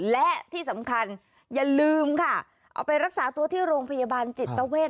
และที่สำคัญอย่าลืมค่ะเอาไปรักษาตัวที่โรงพยาบาลจิตเวท